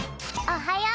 おはよう！